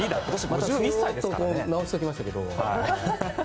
そっと直しておきましたけど。